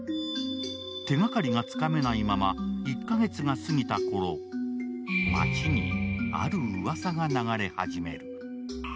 手がかりがつかめないまま、１カ月が過ぎたころ、町に、あるうわさが流れ始める。